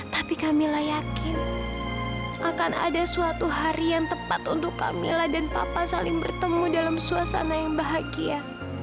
tapi kamilah yakin akan ada suatu hari yang tepat untuk kamila dan papa saling bertemu dalam suasana yang bahagia